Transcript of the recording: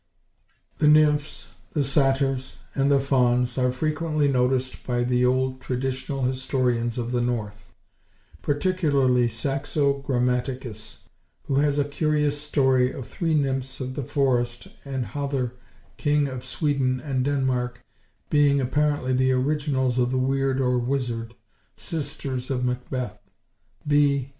The nymphs, the satyrs, and the fauns, are frequently noticed by the old traditional historians of the north; particularly Saxo–grammaticus, who has a curious story of three nymphs of the forest, and Hother, King of Sweden and Denmark, being apparently the originals of the weird, or wizard, sisters of Macbeth (B.